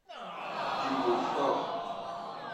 Du vent fort.